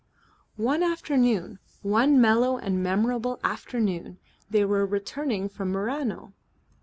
One afternoon, one mellow and memorable afternoon, they were returning from Murano.